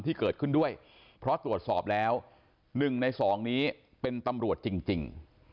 ที่เกิดขึ้นด้วยเพราะตรวจสอบแล้ว๑ใน๒นี้เป็นตำรวจจริง